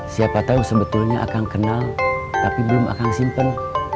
siapa tahu sebetulnya akang kenal tapi belum akang simpen